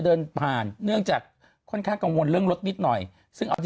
เดินผ่านเนื่องจากค่อนข้างกังวลเรื่องรถนิดหน่อยซึ่งเอาจริง